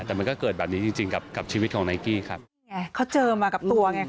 แต่มันก็เกิดแบบนี้จริงกับชีวิตของไนกี้ครับ